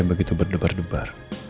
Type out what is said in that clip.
saya begitu berdebar debar